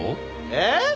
えっ？